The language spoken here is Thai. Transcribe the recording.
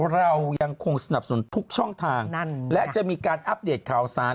เรายังคงสนับสนุนทุกช่องทางและจะมีการอัปเดตข่าวสาร